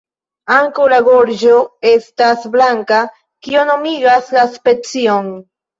Ankaŭ la gorĝo estas blanka, kio nomigas la specion.